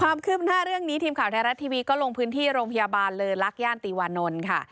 ความคืบหน้าเรื่องนี้ทีมข่าวไทยรัฐทีวีก็ลงพื้นที่โรงพยาบาลเลอลักษย่านตีวานนท์ค่ะ